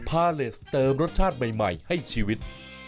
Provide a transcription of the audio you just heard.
พาเลสเติมรสชาติใหม่ให้ชีวิต